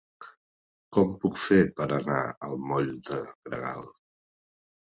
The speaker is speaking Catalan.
Com ho puc fer per anar al moll de Gregal?